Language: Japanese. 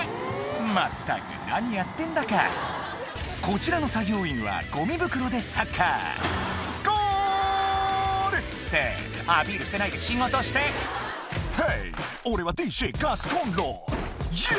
まったく何やってんだかこちらの作業員はゴミ袋でサッカー「ゴール！」ってアピールしてないで仕事して「ヘイ俺はＤＪガスコンロイエ！」